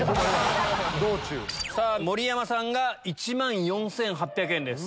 盛山さんが１万４８００円です。